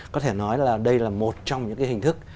có thể nói là đây là một trong những cái hình thức